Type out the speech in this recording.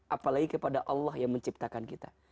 apalagi kepada allah yang menciptakan kita